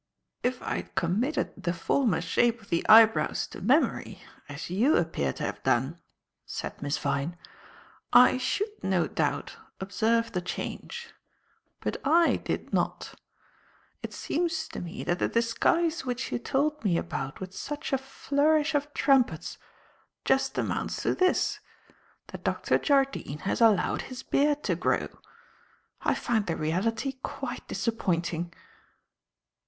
"If I had committed the former shape of the eyebrows to memory, as you appear to have done," said Miss Vyne. "I should, no doubt, observe the change. But I did not. It seems to me that the disguise which you told me about with such a flourish of trumpets just amounts to this; that Dr. Jardine has allowed his beard to grow. I find the reality quite disappointing."